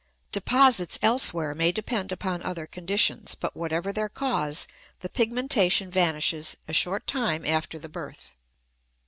Deposits elsewhere may depend upon other conditions; but whatever their cause the pigmentation vanishes a short time after the birth.